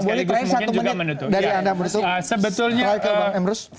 bang woli perang satu menit dari anda